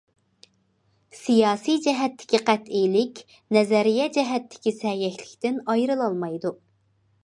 سىياسىي جەھەتتىكى قەتئىيلىك نەزەرىيە جەھەتتىكى سەگەكلىكتىن ئايرىلالمايدۇ.